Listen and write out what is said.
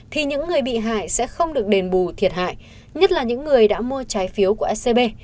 thì những người bị hại sẽ không được đền bù thiệt hại nhất là những người đã mua trái phiếu của scb